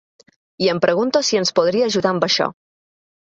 I em pregunto si ens podria ajudar amb això.